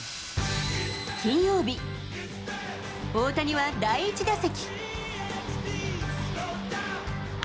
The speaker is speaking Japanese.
金曜日、大谷は第１打席。